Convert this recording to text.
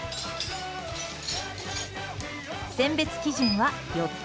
選別基準は４つ。